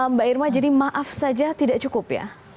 mbak irma jadi maaf saja tidak cukup ya